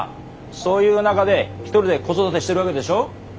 そういう中で一人で子育てしてるわけでしょ？